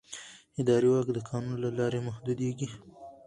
اداري واک د قانون له لارې محدودېږي.